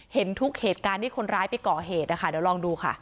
เห็นทุกเหตุการณ์ที่คนร้ายไปก่อเหตุนะคะเดี๋ยวลองดูค่ะ